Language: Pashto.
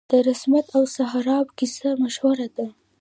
د رستم او سهراب کیسه مشهوره ده